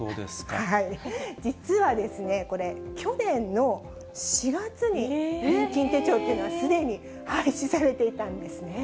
実はですね、これ、去年の４月に年金手帳っていうのは、すでに廃止されていたんです